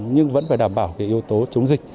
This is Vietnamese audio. nhưng vẫn phải đảm bảo yếu tố chống dịch